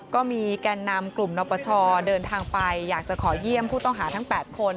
ก็มีแก่นนำกลุ่มนปชเดินทางไปอยากจะขอเยี่ยมผู้ต้องหาทั้ง๘คน